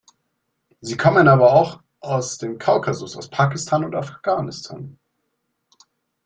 Sie kommen aber auch aus dem Kaukasus, aus Pakistan und Afghanistan.